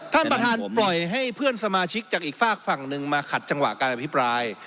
ท่านประธานปล่อยให้เพื่อนสมาชิกจากอีกฝากฝั่งหนึ่งมาขัดจังหวะการอภิปราย